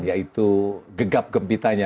yaitu gegap gempitanya